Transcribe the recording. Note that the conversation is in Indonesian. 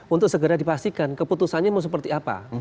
untuk segera dipastikan keputusannya mau seperti apa